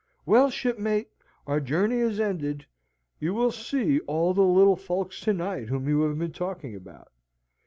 Well, shipmate, our journey is ended. You will see all the little folks to night whom you have been talking about.